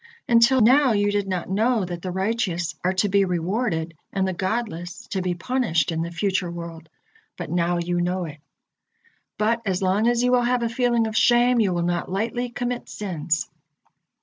Until now you did not know that the righteous are to be rewarded and the godless to be punished in the future world, but now you know it. But as long as you will have a feeling of shame, you will not lightly commit sins."